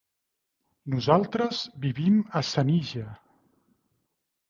Nosaltres vivim a Senija.